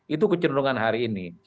itu kecendungan hari ini